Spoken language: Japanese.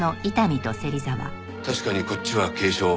確かにこっちは軽傷。